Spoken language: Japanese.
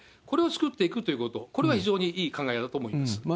これを作っていくということ、これは非常にいい考え方だと思います。